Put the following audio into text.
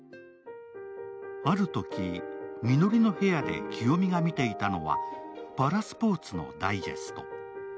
あるとき、みのりの部屋で清美が見ていたのは、パラスポーツのダイジェスト。